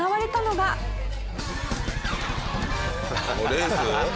レース？